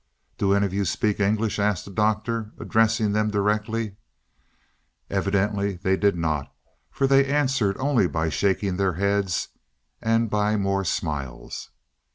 "Do any of you speak English?" asked the Doctor, addressing them directly. Evidently they did not, for they answered only by shaking their heads and by more smiles.